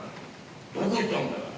どこ行ったんだよ」